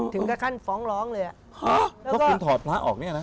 ถึงกระทั่งฟ้องร้องเลยอ่ะคุณถอดพระออกเนี่ยนะ